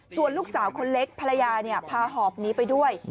ส่วนลูกสาวคนเล็กภรรยาพาหอบนี้ไปด้วย